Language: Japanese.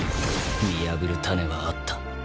見破る種はあった。